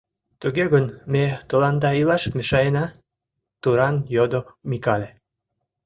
— Туге гын, ме тыланда илаш мешаена? — туран йодо Микале.